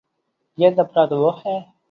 یہ طبقہ تو وہ ہے۔